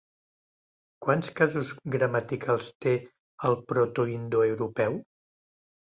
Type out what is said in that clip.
Quants casos gramaticals té el protoindoeuropeu?